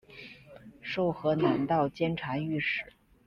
授河南道监察御史。